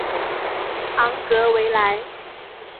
昂格维莱。